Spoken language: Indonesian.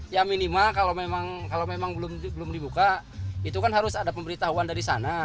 ya minimal kalau memang belum dibuka itu kan harus ada pemberitahuan dari sana